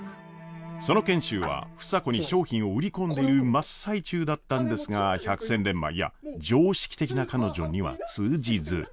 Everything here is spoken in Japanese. その賢秀は房子に商品を売り込んでいる真っ最中だったんですが百戦錬磨いや常識的な彼女には通じず。